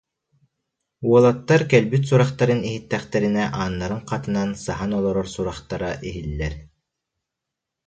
Уолаттар кэлбит сурахтарын иһиттэхтэринэ ааннарын хатанан саһан олорор сурахтара иһиллэр